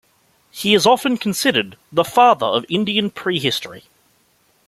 He is often considered the "Father of Indian Prehistory".